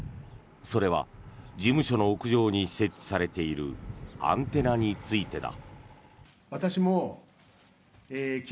それは事務所の屋上に設置されているアンテナについてだ。